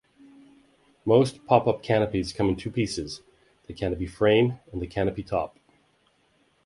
Most pop-up canopies come in two pieces, the canopy frame and the canopy top.